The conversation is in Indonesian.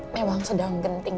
memang sedang genting